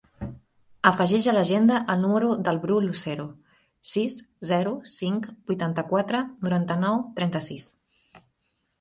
Afegeix a l'agenda el número del Bru Lucero: sis, zero, cinc, vuitanta-quatre, noranta-nou, trenta-sis.